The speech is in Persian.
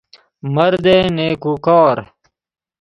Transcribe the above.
مرد نیکوکار